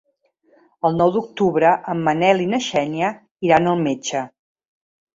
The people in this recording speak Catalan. El nou d'octubre en Manel i na Xènia iran al metge.